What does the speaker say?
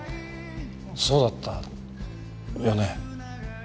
そうだったよね。